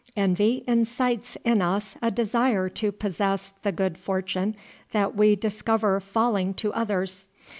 Envy incites in us a desire to possess the good fortune that we discover falling to others.